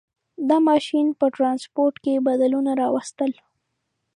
• دا ماشین په ټرانسپورټ کې بدلونونه راوستل.